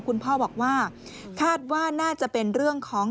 คุณพ่อบอกว่าคาดว่าน่าจะเป็นเรื่องของ